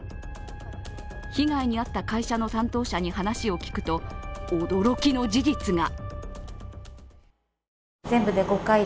被害に遭った会社の担当者に話を聞くと、驚きの事実が！